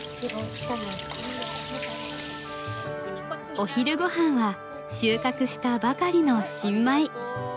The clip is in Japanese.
お昼ご飯は収穫したばかりの新米。